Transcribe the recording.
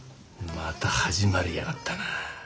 また始まりやがったな。